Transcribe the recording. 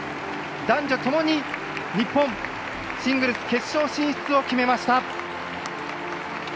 男女ともに日本、シングルス決勝進出を決めました！